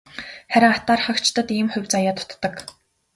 Харин атаархагчдад ийм хувь заяа дутдаг.